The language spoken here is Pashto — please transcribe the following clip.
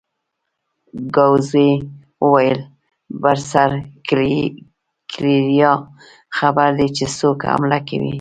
ګاووزي وویل: برساګلیریا خبر دي چې څوک حمله کوي؟